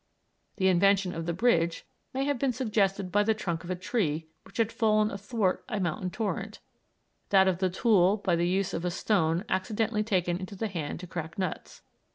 The invention of the bridge may have been suggested by the trunk of a tree which had fallen athwart a mountain torrent; that of the tool by the use of a stone accidentally taken into the hand to crack nuts.